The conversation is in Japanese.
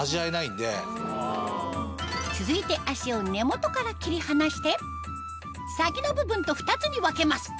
続いて脚を根元から切り離して先の部分と２つに分けます